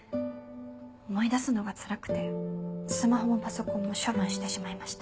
思い出すのがつらくてスマホもパソコンも処分してしまいました。